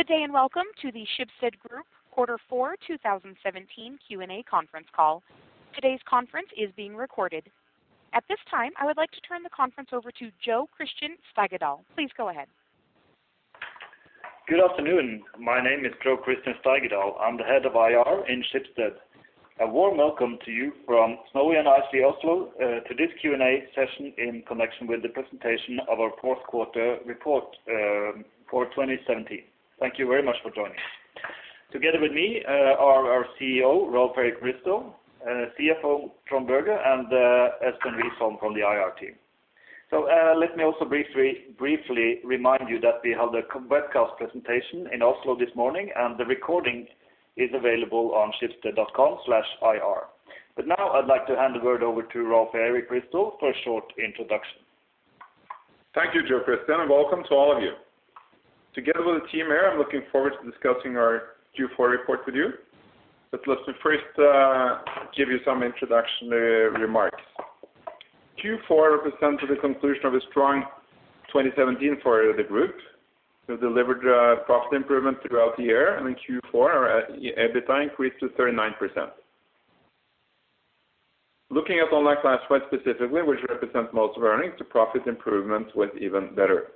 Good day, and welcome to the Schibsted Group Q4 2017 Q&A conference call. Today's conference is being recorded. At this time, I would like to turn the conference over to Jo Christian Steigedal. Please go ahead. Good afternoon. My name is Jo Christian Steigedal. I'm the Head of IR in Schibsted. A warm welcome to you from snowy and icy Oslo, to this Q&A session in connection with the presentation of our Q4 report for 2017. Thank you very much for joining. Together with me, are our CEO, Rolv Erik Ryssdal, CFO, Trond Berger, and Espen Vestheim from the IR team. Let me also briefly remind you that we have the webcast presentation in Oslo this morning, and the recording is available on schibsted.com/ir. Now I'd like to hand the word over to Rolv Erik Ryssdal for a short introduction. Thank you, Jo Christian, and welcome to all of you. Together with the team here, I'm looking forward to discussing our Q4 report with you. Let me first give you some introductory remarks. Q4 represents the conclusion of a strong 2017 for the group. We've delivered a profit improvement throughout the year, and in Q4, our EBITDA increased to 39%. Looking at online classifieds specifically, which represents most of our earnings, the profit improvement was even better.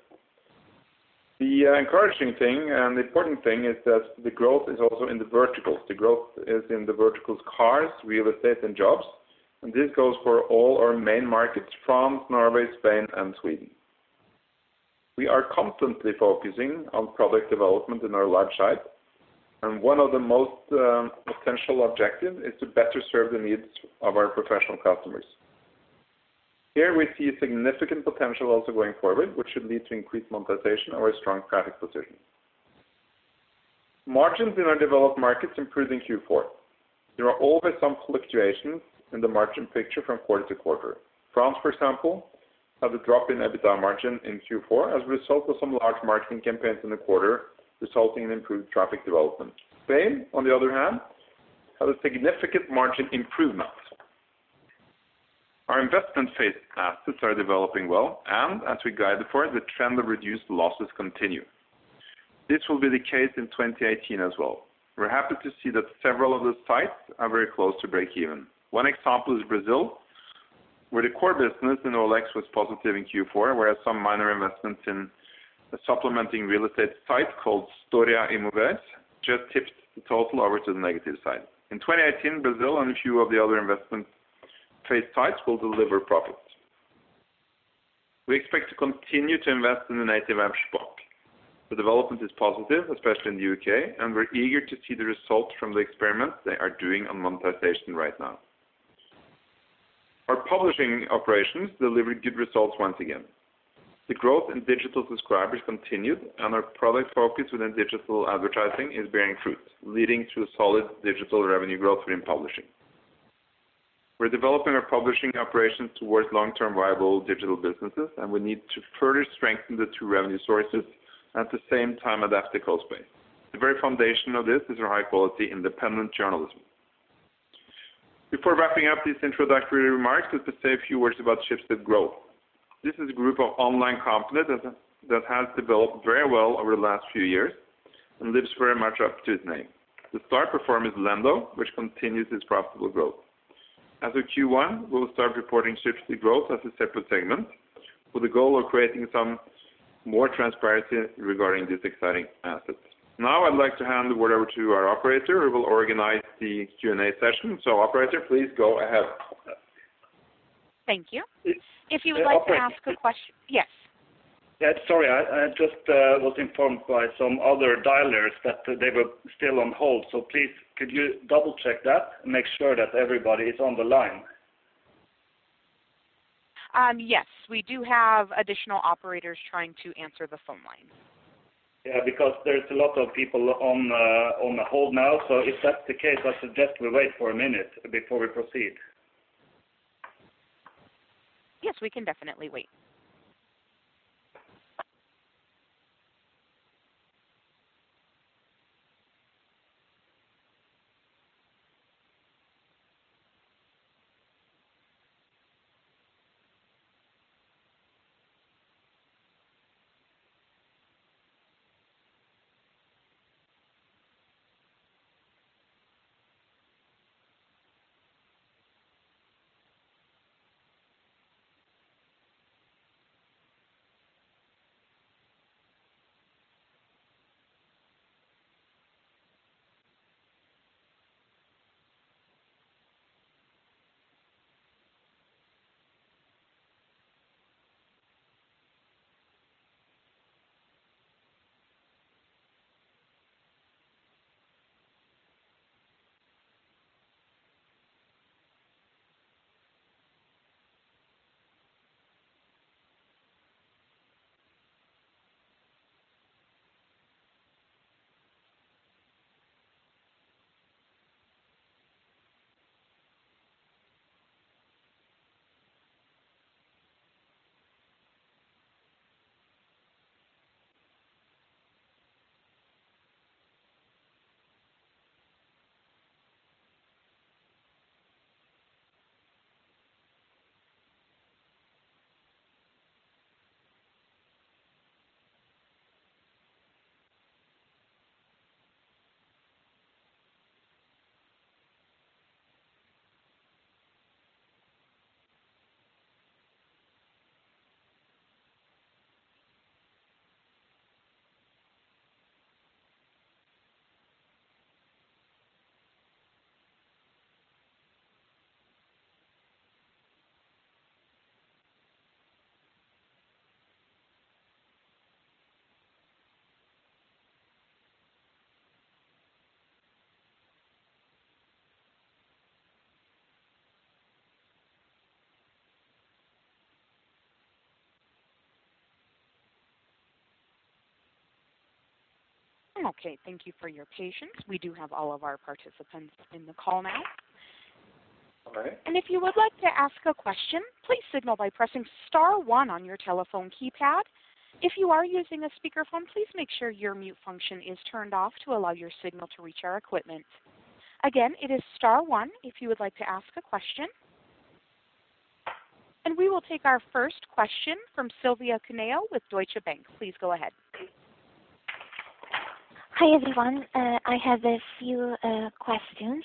The encouraging thing and the important thing is that the growth is also in the verticals. The growth is in the verticals cars, real estate, and jobs, and this goes for all our main markets, France, Norway, Spain, and Sweden. We are constantly focusing on product development in our live sites, and one of the most potential objective is to better serve the needs of our professional customers. Here we see a significant potential also going forward, which should lead to increased monetization and our strong traffic position. Margins in our developed markets improved in Q4. There are always some fluctuations in the margin picture from quarter-to-quarter. France, for example, had a drop in EBITDA margin in Q4 as a result of some large marketing campaigns in the quarter, resulting in improved traffic development. Spain, on the other hand, had a significant margin improvement. Our investment-phase assets are developing well, and as we guided for, the trend of reduced losses continue. This will be the case in 2018 as well. We're happy to see that several of the sites are very close to break even. One example is Brazil, where the core business in OLX was positive in Q4, whereas some minor investments in a supplementing real estate site called Historia Imóveis just tipped the total over to the negative side. In 2018, Brazil and a few of the other investment-phase sites will deliver profits. We expect to continue to invest in the Native App Shpock. The development is positive, especially in the UK, and we're eager to see the results from the experiments they are doing on monetization right now. Our publishing operations delivered good results once again. The growth in digital subscribers continued, and our product focus within digital advertising is bearing fruit, leading to a solid digital revenue growth in publishing. We're developing our publishing operations towards long-term viable digital businesses, and we need to further strengthen the two revenue sources, at the same time adapt the cost base. The very foundation of this is our high-quality independent journalism. Before wrapping up these introductory remarks, just to say a few words about Schibsted Growth. This is a group of online companies that has developed very well over the last few years and lives very much up to its name. The star performer is Lendo, which continues its profitable growth. As of Q1, we will start reporting Schibsted Growth as a separate segment with the goal of creating some more transparency regarding these exciting assets. Now I'd like to hand the word over to our operator who will organize the Q&A session. Operator, please go ahead. Thank you. If you would like to ask a question. Operator. Yes. Yeah, sorry. I just was informed by some other dialers that they were still on hold. Please could you double-check that and make sure that everybody is on the line? Yes. We do have additional operators trying to answer the phone lines. Yeah, because there's a lot of people on hold now. If that's the case, I suggest we wait for a minute before we proceed. Yes, we can definitely wait. Okay, thank you for your patience. We do have all of our participants in the call now. All right. If you would like to ask a question, please signal by pressing star one on your telephone keypad. If you are using a speakerphone, please make sure your mute function is turned off to allow your signal to reach our equipment. Again, it is star one if you would like to ask a question. We will take our first question from Silvia Cuneo with Deutsche Bank. Please go ahead. Hi, everyone. I have a few questions.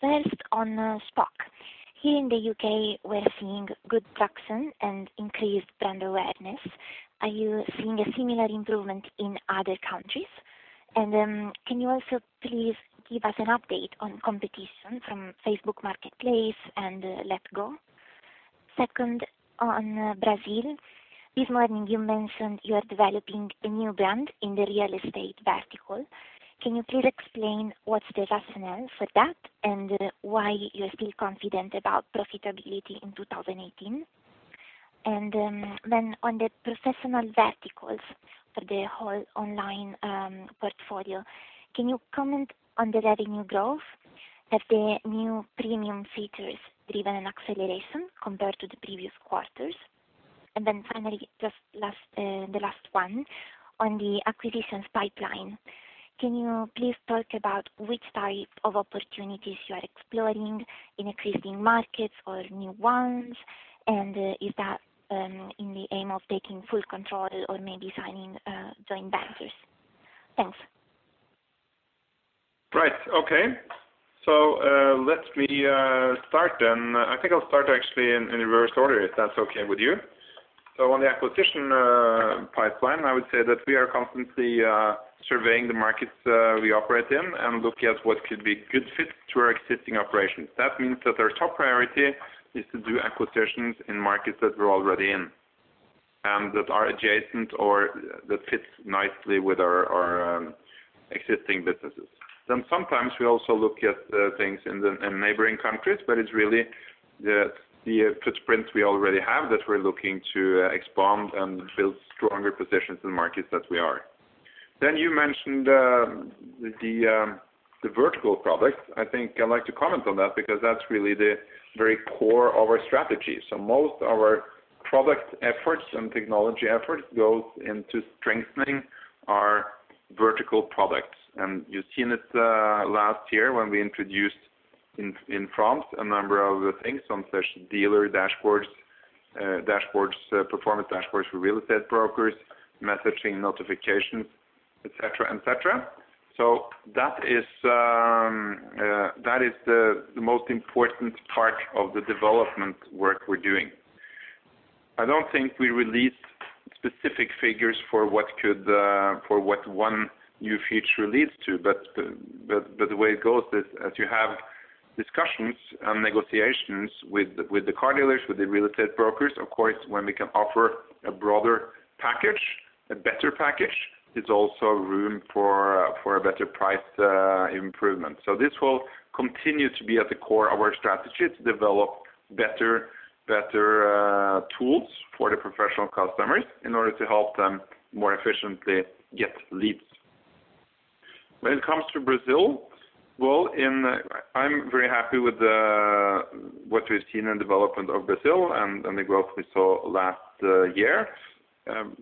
First, on Shpock. Here in the UK, we're seeing good traction and increased brand awareness. Are you seeing a similar improvement in other countries? Can you also please give us an update on competition from Facebook Marketplace and letgo? Second, on Brazil. This morning, you mentioned you are developing a new brand in the real estate vertical. Can you please explain what's the rationale for that and why you're still confident about profitability in 2018? On the professional verticals for the whole online portfolio, can you comment on the revenue growth? Have the new premium features driven an acceleration compared to the previous quarters? Finally, the last one, on the acquisitions pipeline. Can you please talk about which type of opportunities you are exploring in existing markets or new ones? Is that in the aim of taking full control or maybe signing joint ventures? Thanks. Right. Okay. Let me start then. I think I'll start actually in reverse order, if that's okay with you. On the acquisition pipeline, I would say that we are constantly surveying the markets we operate in and look at what could be good fit to our existing operations. That means that our top priority is to do acquisitions in markets that we're already in and that are adjacent or that fits nicely with our existing businesses. Sometimes we also look at things in neighboring countries, but it's really the footprints we already have that we're looking to expand and build stronger positions in markets that we are. You mentioned the vertical products. I think I'd like to comment on that because that's really the very core of our strategy. Most of our product efforts and technology efforts goes into strengthening our vertical products. You've seen it last year when we introduced in France a number of things on such dealer dashboards, performance dashboards for real estate brokers, messaging notifications, et cetera. That is the most important part of the development work we're doing. I don't think we released specific figures for what could for what one new feature leads to, but the way it goes is as you have discussions and negotiations with the car dealers, with the real estate brokers, of course, when we can offer a broader package, a better package, there's also room for a better price improvement. This will continue to be at the core of our strategy to develop better tools for the professional customers in order to help them more efficiently get leads. When it comes to Brazil, I'm very happy with what we've seen in development of Brazil and the growth we saw last year.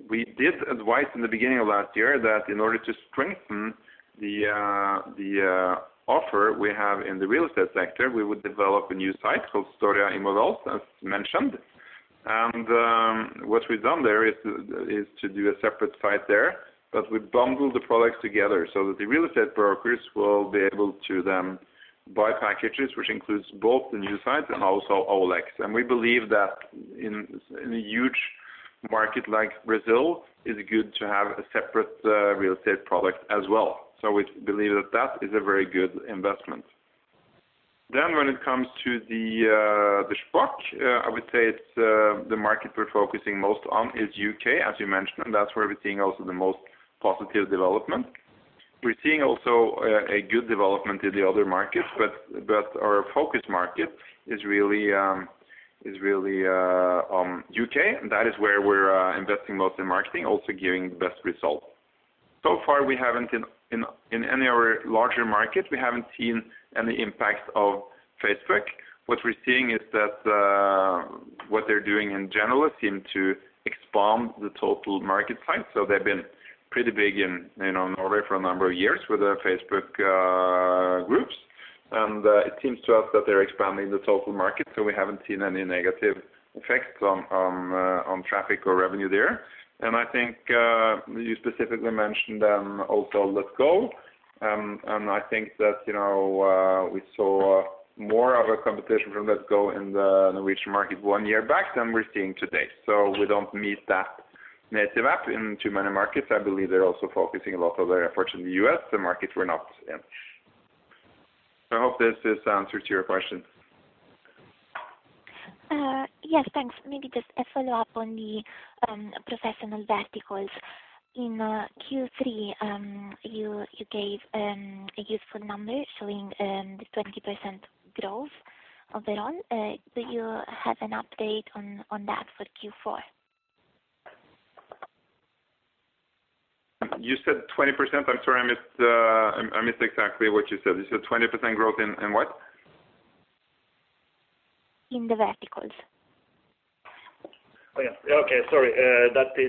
We did advise in the beginning of last year that in order to strengthen the offer we have in the real estate sector, we would develop a new site called Historia Imóveis, as mentioned. What we've done there is to do a separate site there, but we bundle the products together so that the real estate brokers will be able to then buy packages, which includes both the new sites and also OLX. We believe that in a huge market like Brazil, it's good to have a separate real estate product as well. We believe that that is a very good investment. When it comes to the Shpock, I would say it's the market we're focusing most on is UK, as you mentioned, and that's where we're seeing also the most positive development. We're seeing also a good development in the other markets, our focus market is really UK. That is where we're investing most in marketing, also giving the best results. So far we haven't in any of our larger markets, we haven't seen any impacts of Facebook. What we're seeing is that what they're doing in general seem to expand the total market size. They've been pretty big in Norway for a number of years with their Facebook groups. It seems to us that they're expanding the total market, so we haven't seen any negative effects on traffic or revenue there. I think you specifically mentioned also letgo. I think that, you know, we saw more of a competition from letgo in the Norwegian market one year back than we're seeing today. We don't meet that native app in too many markets. I believe they're also focusing a lot of their efforts in the U.S., the market we're not in. I hope this is the answer to your question. Yes, thanks. Maybe just a follow-up on the professional verticals. In Q3, you gave a useful number showing 20% growth overall. Do you have an update on that for Q4? You said 20%? I'm sorry, I missed, I missed exactly what you said. You said 20% growth in what? In the verticals. Oh, yeah. Okay. Sorry. That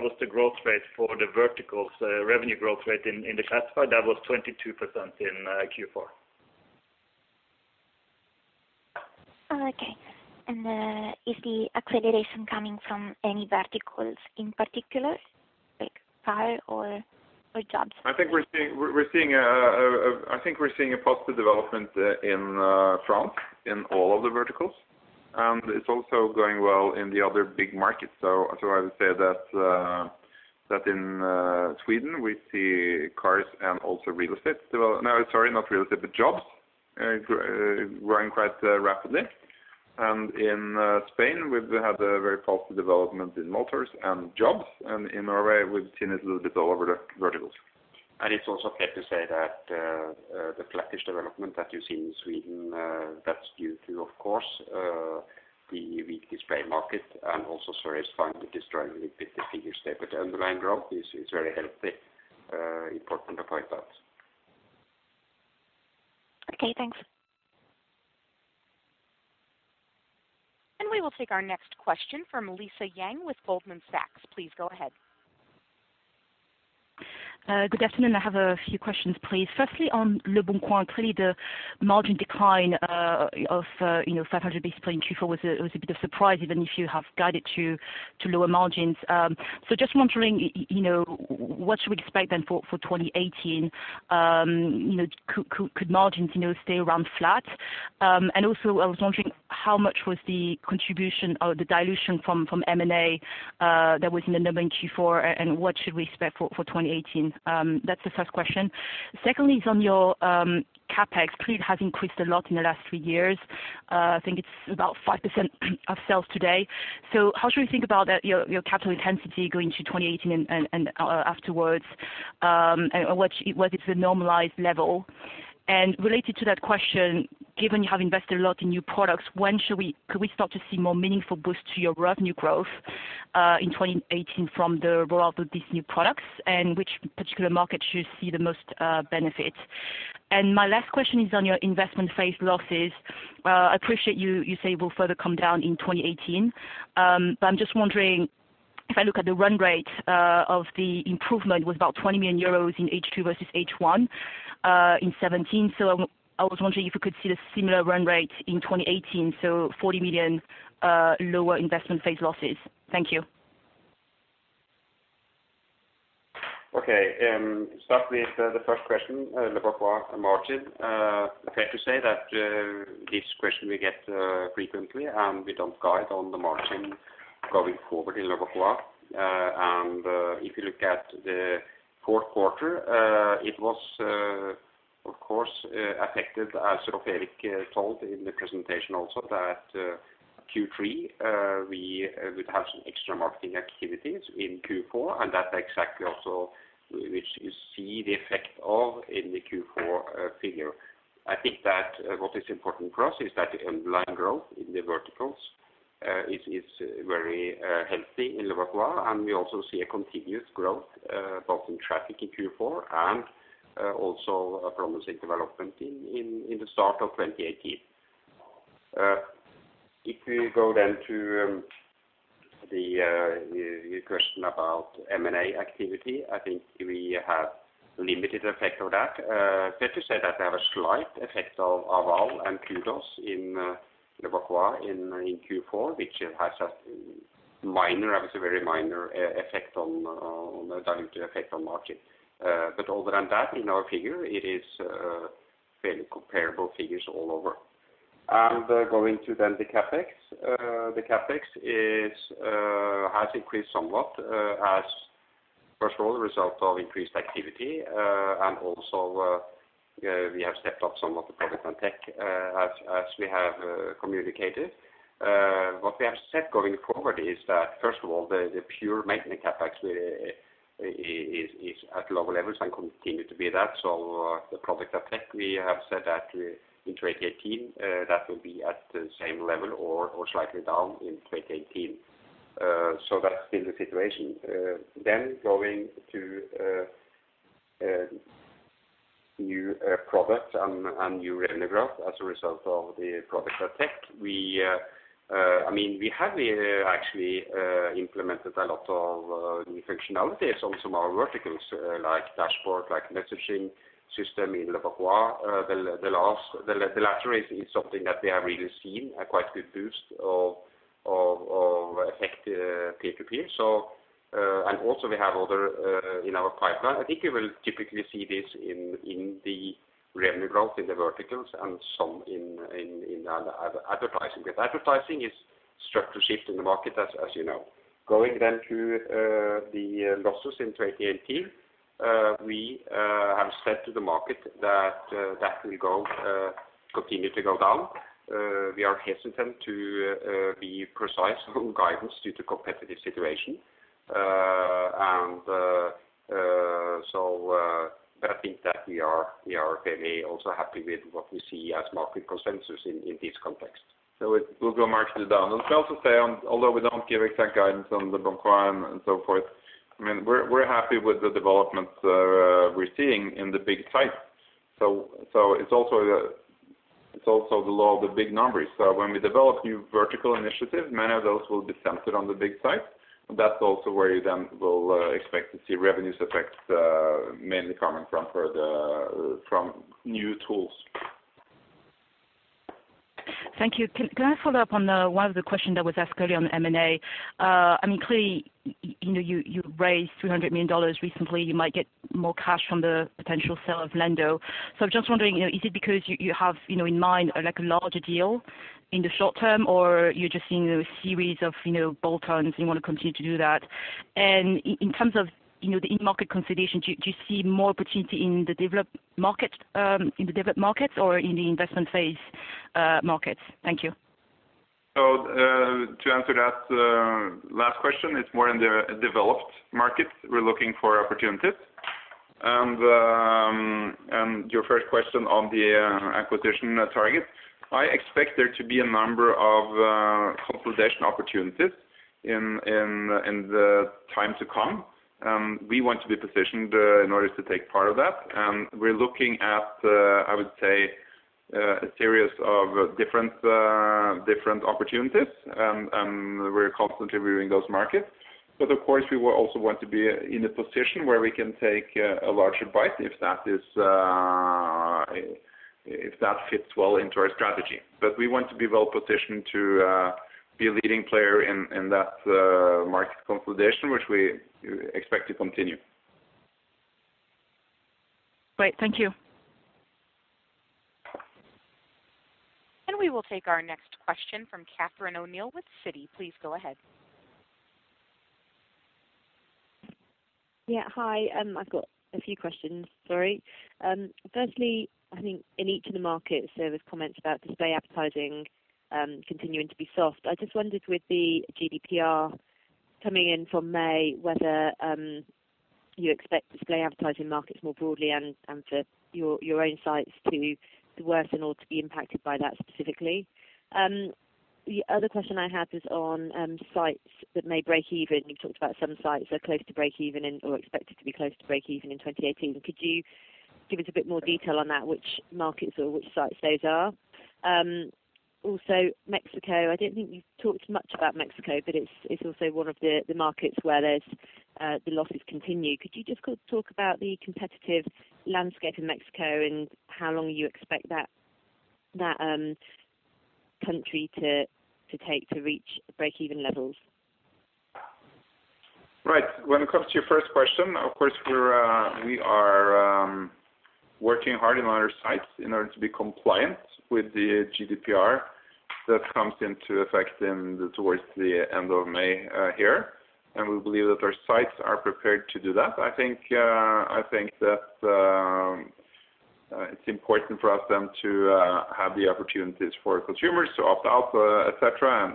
was the growth rate for the verticals, revenue growth rate in the classified. That was 22% in Q4. Okay. Is the accreditation coming from any verticals in particular, like car or jobs? I think we're seeing a positive development in France in all of the verticals, and it's also going well in the other big markets. I would say that in Sweden, we see cars and also real estate, no, sorry, not real estate, but jobs, growing quite rapidly. In Spain, we've had a very positive development in motors and jobs. In Norway, we've seen it a little bit all over the verticals. It's also fair to say that the flattish development that you see in Sweden, that's due to, of course, the weak display market, and also Service find it is driving a bit the figures there. The underlying growth is very healthy, important to point out. Okay, thanks. We will take our next question from Lisa Yang with Goldman Sachs. Please go ahead. Good afternoon. I have a few questions, please. Firstly, on leboncoin, clearly the margin decline, you know, of 500 basis points in Q4 was a bit of surprise, even if you have guided to lower margins. Just wondering, you know, what should we expect then for 2018? You know, could margins, you know, stay around flat? Also, I was wondering how much was the contribution or the dilution from M&A that was in the number Q4, and what should we expect for 2018? That's the first question. Secondly is on your CapEx. It has increased a lot in the last three years. I think it's about 5% of sales today. How should we think about your capital intensity going to 2018 and afterwards? What whether it's the normalized level. Related to that question, given you have invested a lot in new products, when could we start to see more meaningful boost to your revenue growth in 2018 from the rollout of these new products? Which particular market should see the most benefit? My last question is on your investment phase losses. I appreciate you say will further come down in 2018. I'm just wondering, if I look at the run rate of the improvement was about 20 million euros in H2 versus H1 in 2017. I was wondering if we could see the similar run rate in 2018, so 40 million lower investment phase losses. Thank you. Okay. Start with the first question, leboncoin margin. Fair to say that this question we get frequently, and we don't guide on the margin going forward in leboncoin. If you look at the Q4, it was of course affected as Erik told in the presentation also that Q3 we would have some extra marketing activities in Q4, and that exactly also which you see the effect of in the Q4 figure. I think that what is important for us is that the underlying growth in the verticals is very healthy in leboncoin, and we also see a continuous growth both in traffic in Q4 and also a promising development in the start of 2018. If we go to your question about M&A activity, I think we have limited effect of that. Fair to say that they have a slight effect of AL and Kudos in leboncoin in Q4, which has a minor, obviously very minor effect on the dilutive effect on margin. Other than that, in our figure, it is fairly comparable figures all over. Going to the CapEx. The CapEx has increased somewhat as first of all, the result of increased activity, and also we have stepped up some of the product and tech as we have communicated. What we have said going forward is that, first of all, the pure maintenance CapEx really is at lower levels and continue to be that. The product and tech, we have said that in 2018, that will be at the same level or slightly down in 2018. That's been the situation. Going to new products and new revenue growth as a result of the product and tech, I mean, we have actually implemented a lot of new functionalities on some of our verticals, like dashboard, like messaging system in leboncoin. The latter is something that we have really seen a quite good boost of effect peer-to-peer. We have other in our pipeline. I think you will typically see this in the revenue growth in the verticals and some in advertising. Because advertising is structure shift in the market, as you know. Going to the losses in 2018. We have said to the market that that will go continue to go down. We are hesitant to be precise on guidance due to competitive situation. I think that we are fairly also happy with what we see as market consensus in this context. It will go markedly down. I'll also say, although we don't give exact guidance on the bottom line and so forth, I mean, we're happy with the developments we're seeing in the big sites. It's also the law of the big numbers. When we develop new vertical initiatives, many of those will be centered on the big sites, and that's also where you then will expect to see revenues effects, mainly coming from new tools. Thank you. Can I follow up on one of the questions that was asked earlier on M&A? I mean, clearly, you know, you raised $200 million recently, you might get more cash from the potential sale of Lendo. Just wondering, you know, is it because you have, you know, in mind, like, a larger deal in the short term, or you're just seeing a series of, you know, bolt-ons, and you want to continue to do that? In terms of, you know, the in-market consolidation, do you see more opportunity in the developed market, in the developed markets, or in the investment phase, markets? Thank you. To answer that last question, it's more in the developed markets we're looking for opportunities. Your first question on the acquisition targets, I expect there to be a number of consolidation opportunities in the time to come. We want to be positioned in order to take part of that. We're looking at, I would say, a series of different opportunities. We're constantly reviewing those markets. Of course, we will also want to be in a position where we can take a larger bite if that is if that fits well into our strategy. We want to be well-positioned to be a leading player in that market consolidation, which we expect to continue. Great. Thank you. We will take our next question from Catherine O'Neill with Citi. Please go ahead. Yeah. Hi, I've got a few questions, sorry. Firstly, I think in each of the markets, there was comments about display advertising continuing to be soft. I just wondered with the GDPR coming in from May, whether you expect display advertising markets more broadly and for your own sites to worsen or to be impacted by that specifically? The other question I have is on sites that may break even. You've talked about some sites that are close to break even or expected to be close to break even in 2018. Could you give us a bit more detail on that, which markets or which sites those are? Mexico, I don't think you've talked much about Mexico, but it's also one of the markets where there's the losses continue. Could you just talk about the competitive landscape in Mexico and how long you expect that country to take to reach break-even levels? Right. When it comes to your first question, of course, we're, we are working hard on our sites in order to be compliant with the GDPR that comes into effect in towards the end of May here. We believe that our sites are prepared to do that. I think, I think that, it's important for us then to have the opportunities for consumers to opt out, et cetera,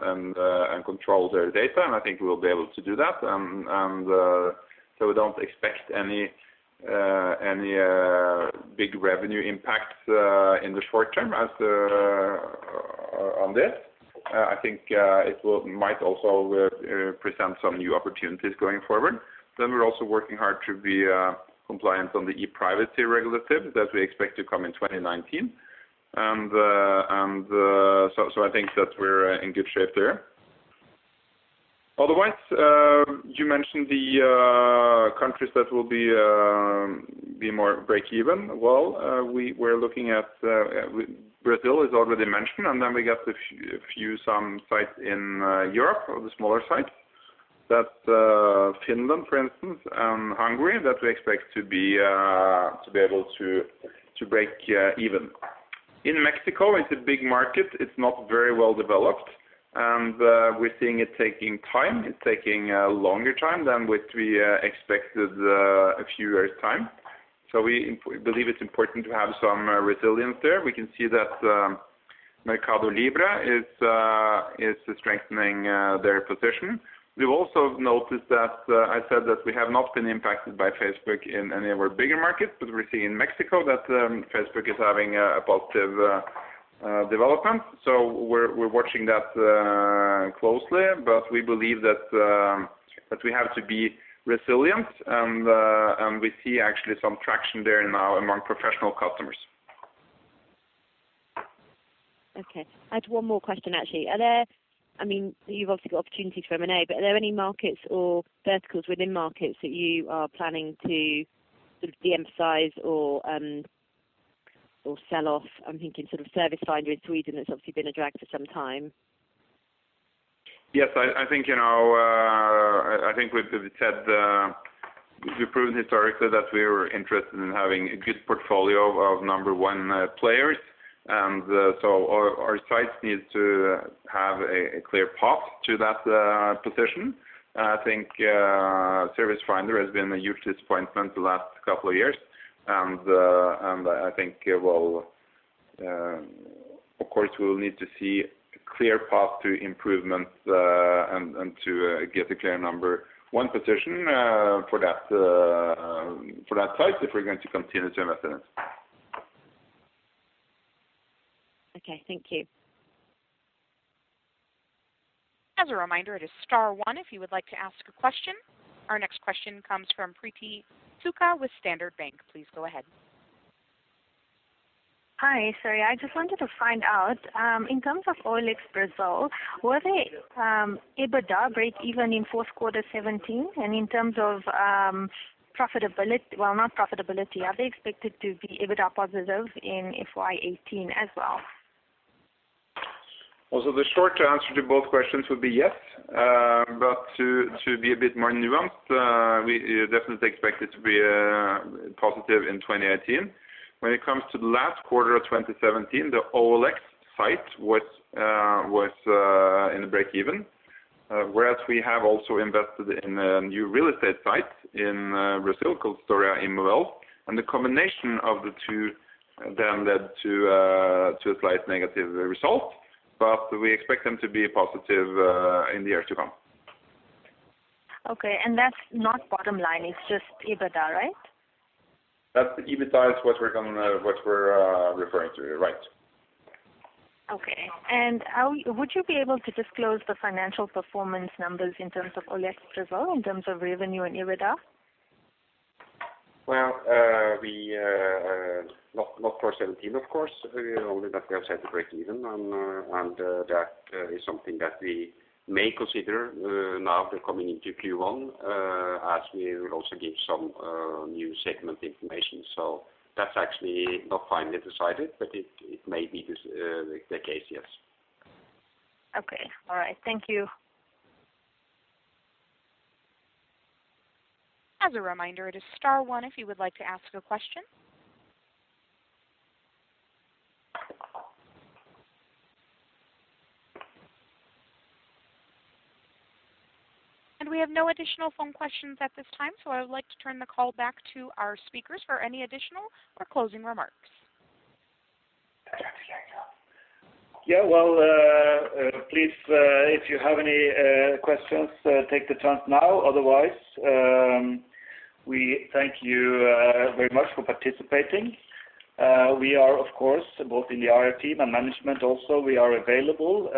and control their data. I think we will be able to do that. We don't expect any big revenue impacts in the short term as on this. I think it might also present some new opportunities going forward. We're also working hard to be compliant on the ePrivacy Regulation that we expect to come in 2019. I think that we're in good shape there. Otherwise, you mentioned the countries that will be more break even. We're looking at Brazil is already mentioned, and then we got a few some sites in Europe or the smaller sites that Finland, for instance, and Hungary, that we expect to be able to break even. In Mexico, it's a big market. It's not very well developed, and we're seeing it taking time. It's taking a longer time than what we expected a few years' time. We believe it's important to have some resilience there. We can see that Mercado Libre is strengthening their position. We've also noticed that I said that we have not been impacted by Facebook in any of our bigger markets, but we're seeing in Mexico that Facebook is having a positive development. We're watching that closely. We believe that we have to be resilient, and we see actually some traction there now among professional customers. I had one more question, actually. I mean, you've obviously got opportunities for M&A, but are there any markets or verticals within markets that you are planning to sort of de-emphasize or sell off, I'm thinking sort of Servicefinder in Sweden that's obviously been a drag for some time? Yes, I think, you know, I think we've said, we've proven historically that we are interested in having a good portfolio of number one players. Our sites need to have a clear path to that position. I think Servicefinder has been a huge disappointment the last couple of years, and I think it will, of course, we'll need to see a clear path to improvements, and to get a clear number one position for that site if we're going to continue to invest in it. Okay, thank you. As a reminder, it is star one if you would like to ask a question. Our next question comes from Preeti Sukha with Standard Bank. Please go ahead. Hi, sorry. I just wanted to find out, in terms of OLX Brazil, were they EBITDA breakeven in Q4 2017? Well, not profitability. Are they expected to be EBITDA positive in FY 2018 as well? The short answer to both questions would be yes. To be a bit more nuanced, we definitely expect it to be positive in 2018. When it comes to the last quarter of 2017, the OLX site was in a breakeven, whereas we have also invested in a new real estate site in Brazil called Estoril Imóveis. The combination of the two led to a slight negative result. We expect them to be positive in the year to come. Okay. That's not bottom line, it's just EBITDA, right? That's the EBITDA is what we're referring to. Right. Okay. How would you be able to disclose the financial performance numbers in terms of OLX Brazil in terms of revenue and EBITDA? Well, we, not for 17 of course, only that we have said breakeven. That is something that we may consider, now we're coming into Q1, as we will also give some new segment information. That's actually not finally decided, but it may be this, the case, yes. Okay. All right. Thank you. As a reminder, it is star one if you would like to ask a question. We have no additional phone questions at this time, so I would like to turn the call back to our speakers for any additional or closing remarks. Yeah, well, please, if you have any questions, take the chance now. Otherwise, we thank you very much for participating. We are of course both in the IR team and management also, we are available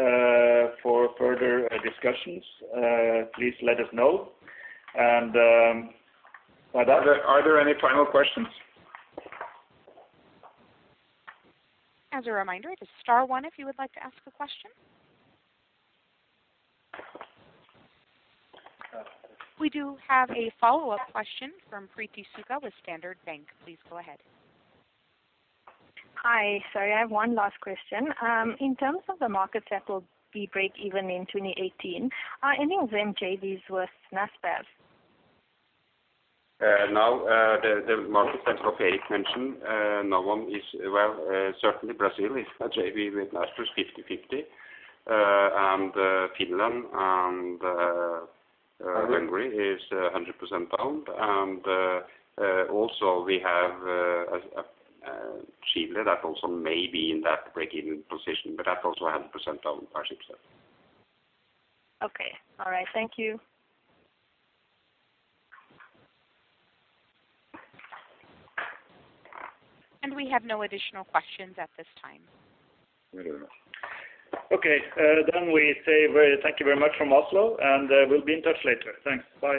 for further discussions, please let us know. Are there any final questions? As a reminder, it is star one if you would like to ask a question. We do have a follow-up question from Preeti Sukha with Standard Bank. Please go ahead. Hi. Sorry. I have one last question. In terms of the markets that will be breakeven in 2018, are any of them JVs with Naspers? Now, the markets that Per mentioned, OLX is well, certainly Brazil is a JV with Naspers, 50/50. Finland and Hungary is 100% owned. Also we have Chile that also may be in that breakeven position, but that's also 100% owned by Schibsted. Okay. All right. Thank you. We have no additional questions at this time. Okay. We say very thank you very much from Oslo, and we'll be in touch later. Thanks. Bye.